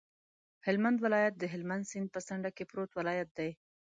هلمند ولایت د هلمند سیند په څنډه کې پروت ولایت دی.